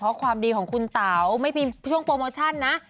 เพราะความดีของคุณเต๋าไม่มีช่วงโปรโมชั่นนะ